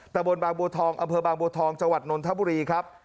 บนบางบัวทองอำเภอบางบัวทองจังหวัดนนทบุรีครับ